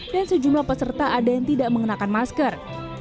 dan sejumlah peserta ada yang tidak mengenakan masker